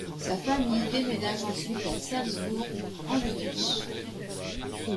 Sa famille déménage ensuite à Salzbourg en Autriche.